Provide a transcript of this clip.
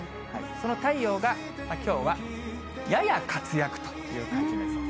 その太陽がきょうはやや活躍という感じになりそう。